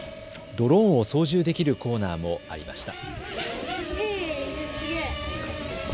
ドローンを操縦できるコーナーもありました。